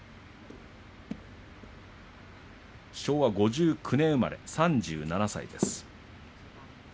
昭和５９年生まれ、３７歳です。